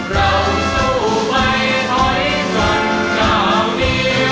เราสู้ไม่ถอยเกินกล่าวเดียว